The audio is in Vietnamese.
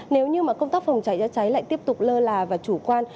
nếu như mà công tác phòng cháy chữa cháy lại tiếp tục lơ là và chủ quan